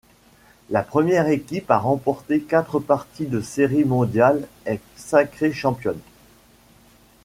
La première équipe à remporter quatre parties de Série mondiale est sacrée championne.